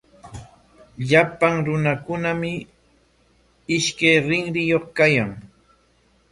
Llapan runakunami ishkay rinriyuq kayan.